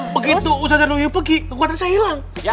begitu ustadz terduyu pergi kekuatan saya hilang